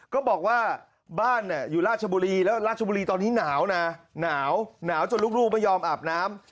ก็บอกว่าบ้านอยู่ราชบุรีแล้วราชบุรีตอนนี้หนาวนะหนาวหนาวจนลูกไม่ยอมอาบน้ำ